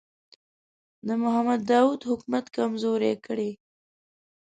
د محمد داوود حکومت کمزوری کړي.